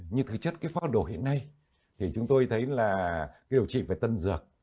như thực chất pháp đồ hiện nay thì chúng tôi thấy là điều trị về tân dược